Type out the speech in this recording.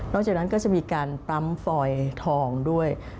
จากนั้นก็จะมีการปั๊มฟอยทองด้วย